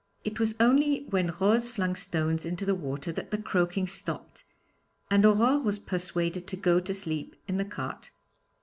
It was only when Rose flung stones into the water that the croaking stopped, and Aurore was persuaded to go to sleep in the cart.